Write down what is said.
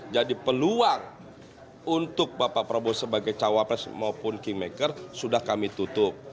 jadi peluang untuk bapak prabowo sebagai cawapres maupun kingmaker sudah kami tutup